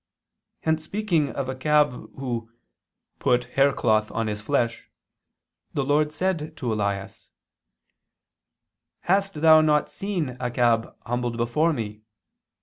Hence speaking of Achab who "put hair cloth on his flesh," the Lord said to Elias: "Hast thou not seen Achab humbled before Me?"